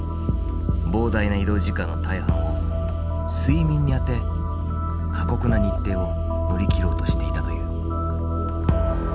膨大な移動時間の大半を睡眠にあて過酷な日程を乗り切ろうとしていたという。